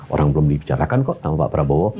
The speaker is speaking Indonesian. orang belum dibicarakan kok sama pak prabowo